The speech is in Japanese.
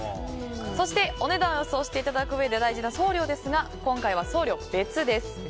そしてお値段を予想していただくうえで大事な送料ですが今回は送料別です。